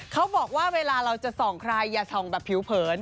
เขาบอกว่าเวลาเราจะส่องใครอย่าส่องแบบผิวเผิน